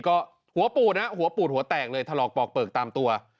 ก็หัวปูดนะหัวปูดหัวแตกเลยถลอกปอกเปลือกตามตัว